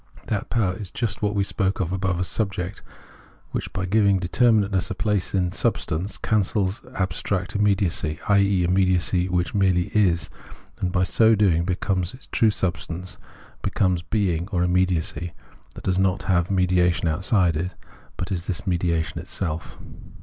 That power is just what we spoke of above as subject, which by giving determinate ness a place in its substance, cancels abstract immediacy, i.e. immediacy which merely is, and, by so doing, be comes the true substance, becomes being or immediacy that does not have mediation outside it, but is this mediation itself.